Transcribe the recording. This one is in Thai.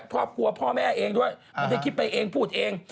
พ่อแม่เองด้วยไม่ได้คิดไปเองพูดเอง